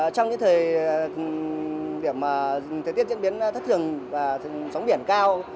trong những thời tiết diễn biến thất thường và sóng biển cao